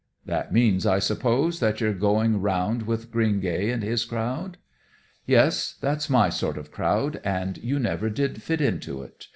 "That means, I suppose, that you're going around with Greengay and his crowd?" "Yes, that's my sort of crowd, and you never did fit into it.